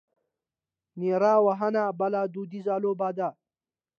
نیره وهنه بله دودیزه لوبه ده.